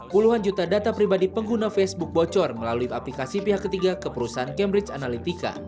puluhan juta data pribadi pengguna facebook bocor melalui aplikasi pihak ketiga ke perusahaan cambridge analytica